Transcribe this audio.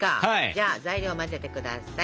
じゃあ材料を混ぜてください。